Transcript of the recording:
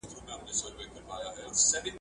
باید د استدلال پر بنسټ پریکړې وسي.